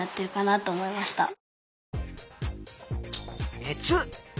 熱。